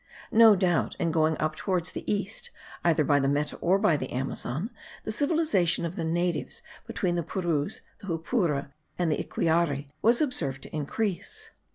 No doubt in going up towards the east, either by the Meta or by the Amazon, the civilization of the natives, between the Puruz, the Jupura, and the Iquiari, was observed to increase.